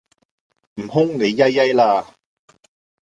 悟空,你曳曳啦